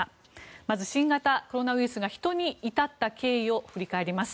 まず、新型コロナウイルスが人に至った経緯を振り返ります。